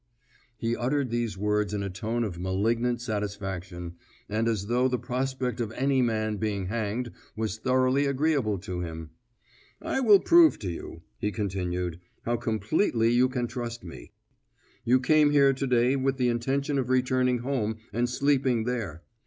He uttered these words in a tone of malignant satisfaction, and as though the prospect of any man being hanged was thoroughly agreeable to him. "I will prove to you," he continued, "how completely you can trust me. You came here to day with the intention of returning home and sleeping there.